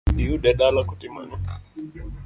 Iyude dala kotimo ang'o?